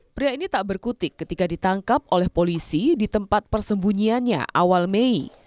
pria ini tak berkutik ketika ditangkap oleh polisi di tempat persembunyiannya awal mei